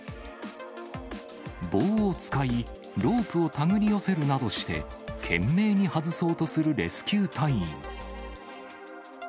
棒を使い、ロープを手繰り寄せるなどして、懸命に外そうとするレスキュー隊員。